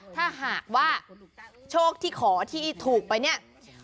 ถ้าหากว่าโชคที่ขอที่ถูกไปเนี่ย